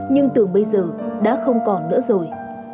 nhưng từ bây giờ đã không còn nữa rồi